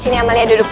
sini amalia duduk